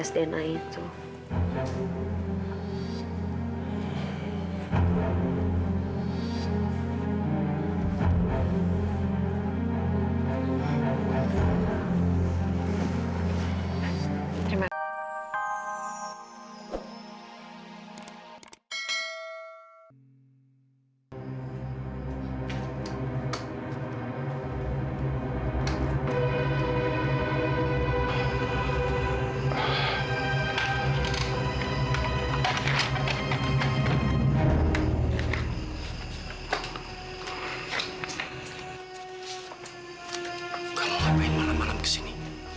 kamu harus main malam malam kesini